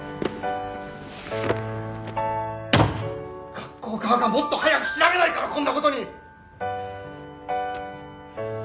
学校側がもっと早く調べないからこんな事に！